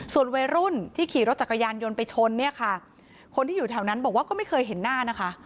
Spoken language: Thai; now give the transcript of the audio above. ส่วนวัยรุ่นที่ขี่รถจักรยานยนต์ไปชนเนี่ยค่ะคนที่อยู่แถวนั้นบอกว่าก็ไม่เคยเห็นหน้านะคะ